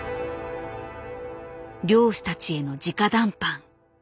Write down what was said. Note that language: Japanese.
漁師たちへの直談判。